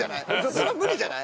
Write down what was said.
それは無理じゃない？